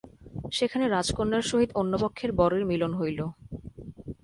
সেখানে রাজকন্যার সহিত অন্যপক্ষের বরের মিলন হইল।